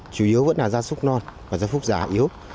chủ yếu vẫn là gia súc non và gia khúc giả yếu